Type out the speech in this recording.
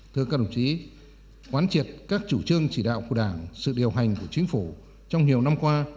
thưa các đồng chí quán triệt các chủ trương chỉ đạo của đảng sự điều hành của chính phủ trong nhiều năm qua